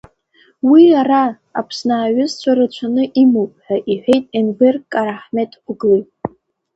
Уи ара, Аԥсны аҩызцәа рацәаны имоуп, ҳәа иҳәеит Енвер Карахмеҭ-оглы.